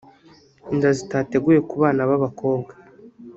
inda zitateguwe ku bana b’abakobwa